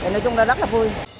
nói chung là rất là vui